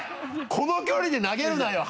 この距離で投げるなよ